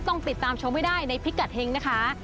ต้องติดตามชมให้ได้ในพิกัดเฮงนะคะ